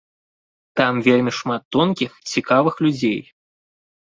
Там вельмі шмат тонкіх, цікавых людзей.